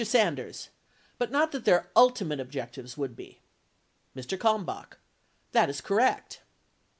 Sanders. But not that their ultimate objectives would be. Mr. Kalmbach. That is correct.